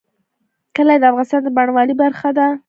کلي د افغانستان د بڼوالۍ برخه ده.